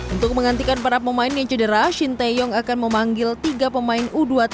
untuk menghentikan para pemain yang cedera shin tae yong akan memanggil tiga pemain